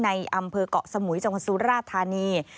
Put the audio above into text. ในอำเภอกเกาะสมุยจังหวัดสุราธานี